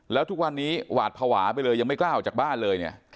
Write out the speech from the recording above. แล้วทุกวันนี้หวาดภาวะไปเลยยังไม่กล้าออกจากบ้านเลยเนี่ย